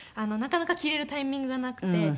なかなか着れるタイミングがなくて。